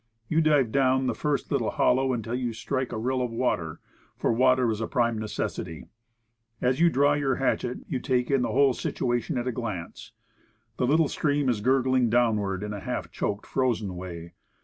You dive down the first little hollow until you strike a rill of water, for water is a prime necessity. As you draw 28 Woodcraft. your hatchet you take in the whole situation at a glance. The little stream is gurgling downward in a half choked frozen way.